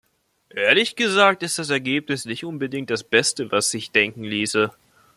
Ehrlich gesagt, ist das Ergebnis nicht unbedingt das Beste, was sich denken ließe.